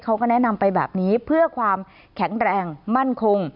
เขาก็แนะนำไปแบบนี้เพื่อความแข็งแรงมั่นคง